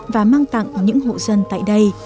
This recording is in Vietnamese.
và mang tặng những hộ dân tại đây